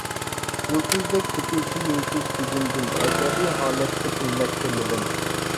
يۇلتۇزدەك تۆكۈلسە يۇلتۇز كۆزۈمدىن، ئەسەبىي ھالەتتە كۈلمەكتە لېۋىم.